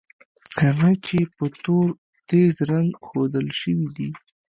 هغه چې په تور تېز رنګ ښودل شوي دي.